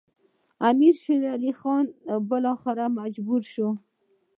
امیر شېر علي خان بالاخره مجبور شو.